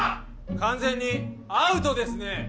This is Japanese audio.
完全にアウトですね！